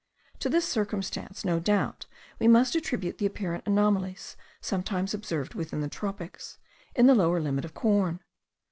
To this circumstance no doubt we must attribute the apparent anomalies sometimes observed within the tropics, in the lower limit of corn.